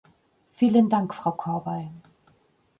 Vielen Dank, Frau Corbey.